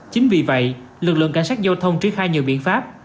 chính vì vậy lực lượng cảnh sát giao thông triển khai nhiều biện pháp